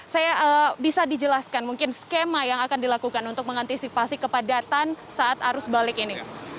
saya bisa dijelaskan mungkin skema yang akan dilakukan untuk mengantisipasi kepadatan saat arus balik ini